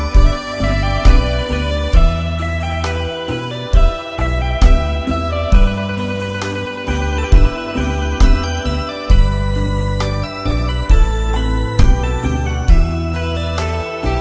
มึงจัดการยิ่งมากเลยนะร้องครับ